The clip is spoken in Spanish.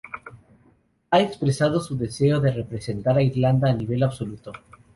Ha expresado su deseo de representar a Irlanda a nivel absoluto.